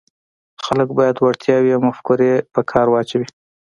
خلک باید وړتیاوې او مفکورې په کار واچوي.